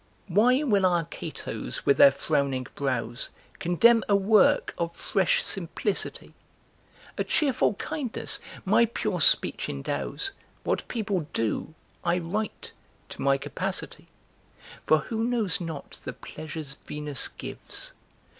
"Why will our Catos with their frowning brows Condemn a work of fresh simplicity'? A cheerful kindness my pure speech endows; What people do, I write, to my capacity. For who knows not the pleasures Venus gives?